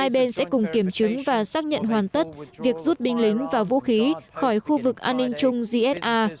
bà may đã xác nhận hoàn tất việc rút binh lính và vũ khí khỏi khu vực an ninh chung zsa